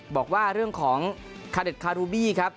บอกว่าเรื่องของคาเด็ดคารูบี้ครับ